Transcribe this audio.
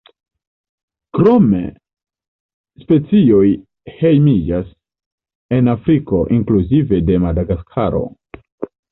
Krome specioj hejmiĝas en Afriko inkluzive de Madagaskaro.